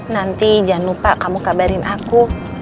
nanti jangan lupa kamu kabarin aku